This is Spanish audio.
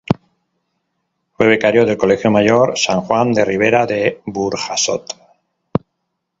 Fue becario del Colegio Mayor San Juan de Ribera de Burjasot.